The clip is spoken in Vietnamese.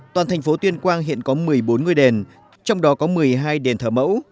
toàn thành phố tuyên quang hiện có một mươi bốn ngôi đền trong đó có một mươi hai đền thờ mẫu